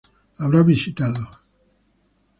Habrá visitado